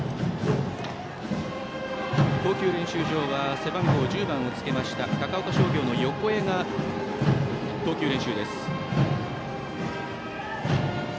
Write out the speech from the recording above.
投球練習場は背番号１０番をつけた高岡商業の横江が投球練習です。